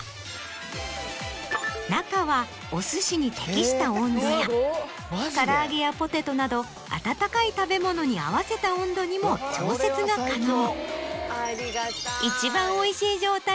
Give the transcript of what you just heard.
中はお寿司に適した温度や唐揚げやポテトなど温かい食べ物に合わせた温度にも調節が可能。